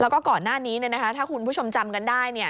แล้วก็ก่อนหน้านี้ถ้าคุณผู้ชมจำกันได้